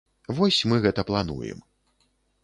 Вось мы гэта плануем.